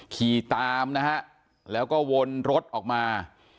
ขี่ตามนะฮะแล้วก็วนรถออกมา